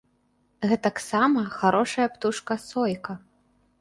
Гэтаксама харошая птушка сойка.